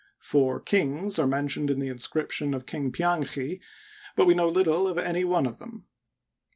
Four " kings " are mentioned in the inscrip tion of King Pianchi, but we know little of any one of them.